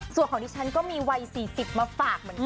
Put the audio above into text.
ส่วนของดิฉันก็มีวัย๔๐มาฝากเหมือนกัน